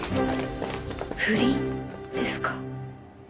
不倫ですか？